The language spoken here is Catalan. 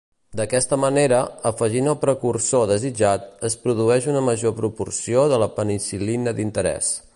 D'aquesta manera, afegint el precursor desitjat, es produeix una major proporció de la penicil·lina d'interès.